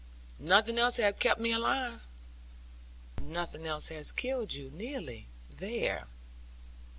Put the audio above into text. Nothing else has kept me alive.' 'Nothing else has killed you, nearly. There!'